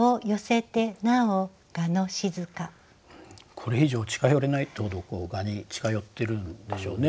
これ以上近寄れないってほど蛾に近寄ってるんでしょうね。